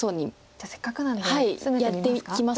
じゃあせっかくなのでツメてみますか。